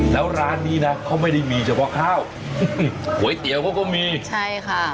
แล้วร้านนี้นะเขาไม่ได้มีเฉพาะข้าวก๋วยเตี๋ยวเขาก็มีใช่ค่ะ